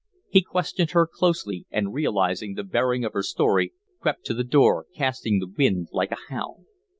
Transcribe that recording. He questioned her closely and, realizing the bearing of her story, crept to the door, casting the wind like a hound.